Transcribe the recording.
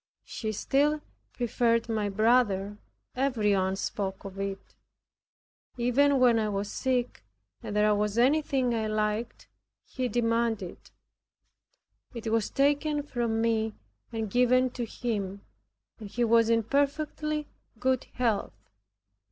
She still preferred my brother; every one spoke of it. Even when I was sick and there was anything I liked, he demanded it. It was taken from me, and given to him, and he was in perfectly good health.